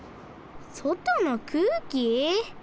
そとのくうき？